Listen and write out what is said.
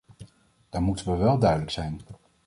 Dan moeten we wel duidelijk zijn.